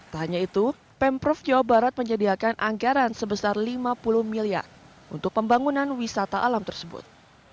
tak hanya itu pemprov jawa barat menyediakan anggaran sebesar lima puluh miliar untuk pembangunan wisata alam tersebut